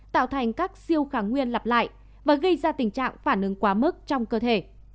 tạo thành các siêu kháng nguyên lặp lại và gây ra tình trạng phản ứng quá mức trong cơ thể